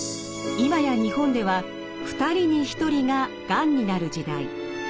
今や日本では２人に１人ががんになる時代。